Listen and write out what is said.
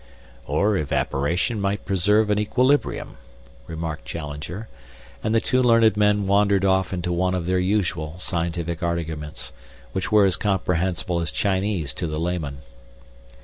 "Or evaporation might preserve an equilibrium," remarked Challenger, and the two learned men wandered off into one of their usual scientific arguments, which were as comprehensible as Chinese to the layman.